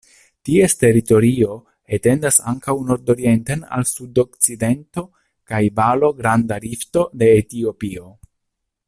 Ties teritorio etendas ankaŭ nordorienten al sudokcidento kaj valo Granda Rifto de Etiopio.